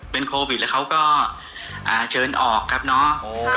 เป็นโควิดแล้วเขาก็เชิญออกครับเนาะ